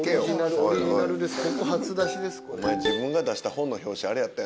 お前自分が出した本の表紙あれやったやろ。